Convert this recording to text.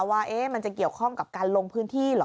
ว่ามันจะเกี่ยวข้องกับการลงพื้นที่เหรอ